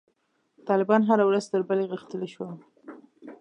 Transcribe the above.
طالبان هره ورځ تر بلې غښتلي شول.